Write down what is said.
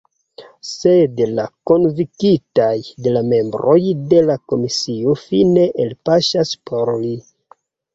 Sed la konvinkitaj de la membroj de la komisio fine elpaŝas por li.